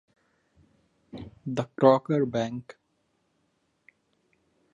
The Crocker Bank.